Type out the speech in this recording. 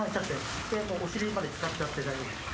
お尻まで漬かっちゃって大丈夫です。